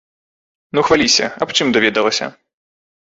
Ну хваліся, аб чым даведалася?